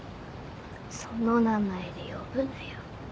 その名前で呼ぶなよ。